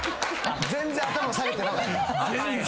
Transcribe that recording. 全然頭下げてなかった？